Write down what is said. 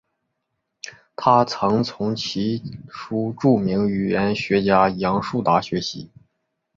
他曾从其叔著名语言学家杨树达学习。